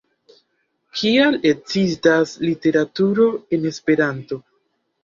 Kial ekzistas literaturo en Esperanto?